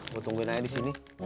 gue tungguin aja di sini